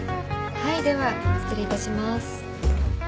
はいでは失礼いたします。